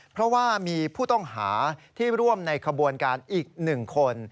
เพราะว่ามีผู้ต้องหาที่ร่วมในขบวนการอีก๑คน